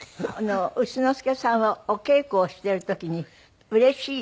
丑之助さんはお稽古をしている時にうれしい？